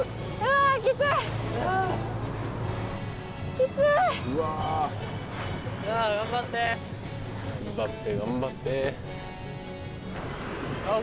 キツい！頑張って頑張って。